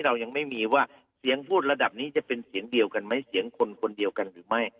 เรายังไม่มีว่าเสียงพูดระดับนี้จะเป็นเสียงเดียวกันไหมเสียงคนคนเดียวกันหรือไม่